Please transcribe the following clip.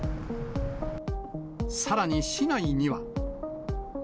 さらに市内には。